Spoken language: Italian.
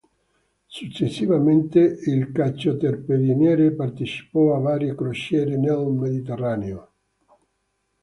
Successivamente il cacciatorpediniere partecipò a varie crociere nel Mediterraneo.